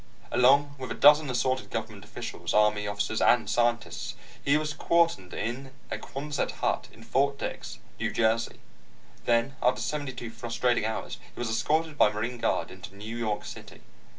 Along with a dozen assorted government officials, Army officers, and scientists, he was quartered in a quonset hut in Fort Dix, New Jersey. Then, after seventy two frustrating hours, he was escorted by Marine guard into New York City.